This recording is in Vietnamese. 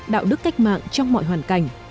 đạo đức cách mạng trong mọi hoàn cảnh